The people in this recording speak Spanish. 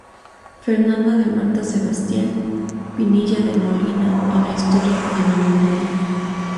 Fernando de Marta Sebastián: "Pinilla De Molina: En la historia y en la memoria.